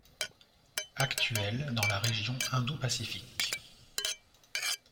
Actuel dans la région Indopacifique.